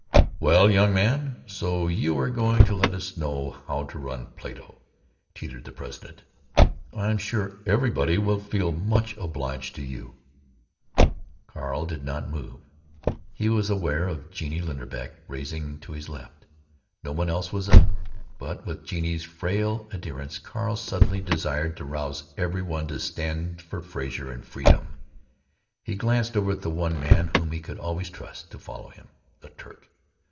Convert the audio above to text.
"Well, young man, so you are going to let us know how to run Plato," teetered the president. "I'm sure everybody will feel much obliged to you." Carl did not move. He was aware of Genie Linderbeck rising, to his left. No one else was up, but, with Genie's frail adherence, Carl suddenly desired to rouse every one to stand for Frazer and freedom. He glanced over at the one man whom he could always trust to follow him—the Turk.